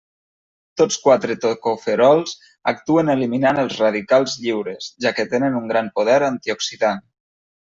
Tots quatre tocoferols actuen eliminant els radicals lliures, ja que tenen un gran poder antioxidant.